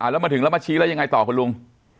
แล้วมาถึงแล้วมาชี้แล้วยังไงต่อคุณลุง